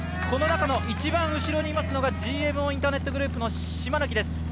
この中の一番後ろにいますのがＧＭＯインターネットグループの島貫です。